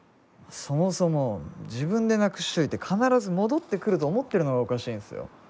そもそも自分でなくしといて必ず戻ってくると思ってるのがおかしいんすよ。